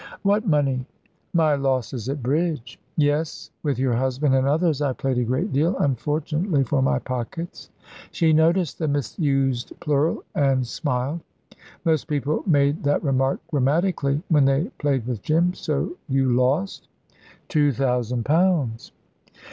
"What money?" "My losses at bridge. Yes; with your husband and others I played a great deal unfortunately for my pockets." She noticed the misused plural and smiled. "Most people made that remark grammatically, when they played with Jim. So you lost?" "Two thousand pounds."